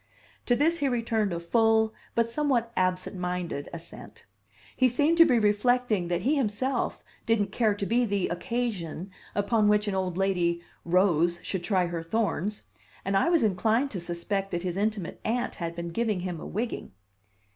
To this he returned a full but somewhat absent minded assent. He seemed to be reflecting that he himself didn't care to be the "occasion" upon which an old lady rose should try her thorns; and I was inclined to suspect that his intimate aunt had been giving him a wigging.